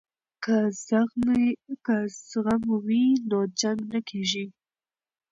که زغم وي نو جنګ نه کیږي.